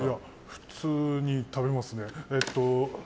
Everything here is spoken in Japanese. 普通に食べますね。